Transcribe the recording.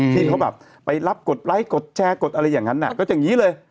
ที่เขาแบบไปรับกดไลค์กดแชร์กดอะไรอย่างนั้นก็อย่างนี้เลย